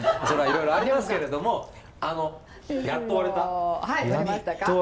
それはいろいろありますけれどもあのやっと割れた。